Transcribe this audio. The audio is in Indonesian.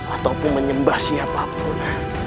ataupun menyembah siapapun